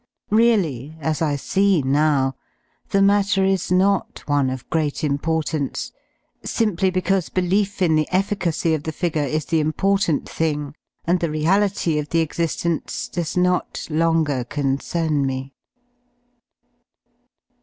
Really, as I see now, the matter is not one of great importance, simply because belief in the efficacy of the figure is the important thing and the reality of the exigence does not longer concern me.